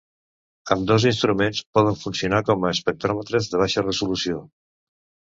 Ambdós instruments poden funcionar com espectròmetres de baixa resolució.